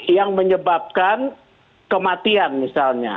yang menyebabkan kematian misalnya